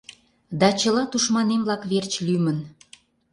Да чыла тушманем-влак верч лӱмын